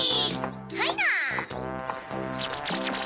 はいな！